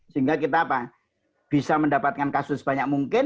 sehingga kita bisa mendapatkan kasus sebanyak mungkin